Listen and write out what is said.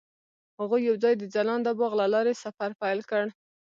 هغوی یوځای د ځلانده باغ له لارې سفر پیل کړ.